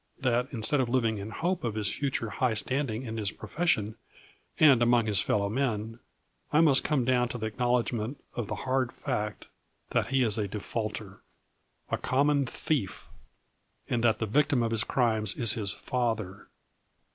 That, instead of living in hope of his future high standing in his profes sion and among his fellow men, I must come down to the acknowldgment of the hard fact that he is a defaulter, a common thief, and that the victim of his crimes is his father.